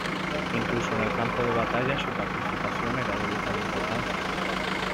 Incluso en el campo de batalla su participación era de vital importancia.